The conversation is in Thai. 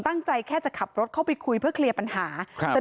ตั้งใจแค่จะขับรถเข้าไปคุยเพื่อเคลียร์ปัญหาครับแต่